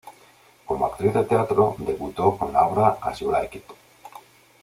Como actriz de teatro, debutó con la obra "As You Like It".